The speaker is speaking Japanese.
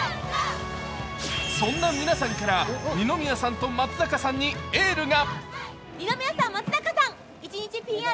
そんな皆さんから二宮さんと松坂さんにエールが。